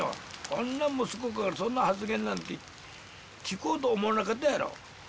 こんな息子からそんな発言なんて聞こうと思わなかったやろ。